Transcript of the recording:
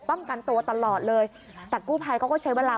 ป้องกันตัวตลอดเลยภาคงู้ภัยก็ก็ใช้เวลา